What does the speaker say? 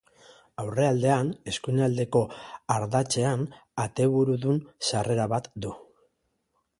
Aurrealdean eskuinaldeko ardatzean ateburudun sarrera bat du.